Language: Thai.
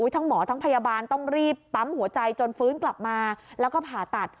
ทั้งหมอทั้งพยาบาลต้องรีบปั๊มหัวใจจนฟื้นกลับมาแล้วก็ผ่าตัด